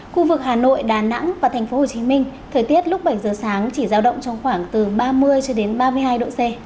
khu vực hà nội đà nẵng và tp hcm thời tiết lúc bảy giờ sáng chỉ giao động trong khoảng từ ba mươi ba mươi hai độ c